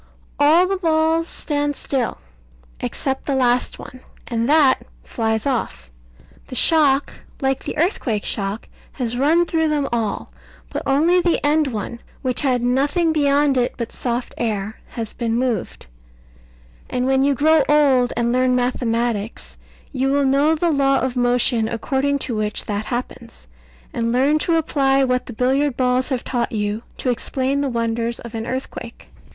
All the balls stand still, except the last one, and that flies off. The shock, like the earthquake shock, has run through them all; but only the end one, which had nothing beyond it but soft air, has been moved; and when you grow old, and learn mathematics, you will know the law of motion according to which that happens, and learn to apply what the billiard balls have taught you, to explain the wonders of an earthquake.